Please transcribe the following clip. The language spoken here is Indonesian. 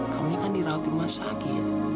kamu kan di rawat rumah sakit